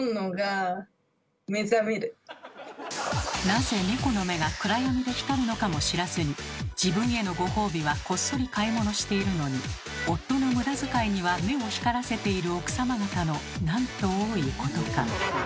なぜネコの目が暗闇で光るのかも知らずに自分へのご褒美はこっそり買い物しているのに夫の無駄遣いには目を光らせている奥様方のなんと多いことか。